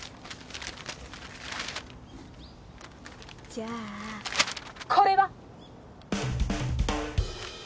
じゃあこれは？